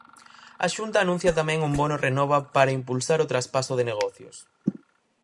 A Xunta anuncia tamén un Bono Renova para impulsar o traspaso de negocios.